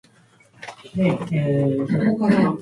春眠暁を覚えず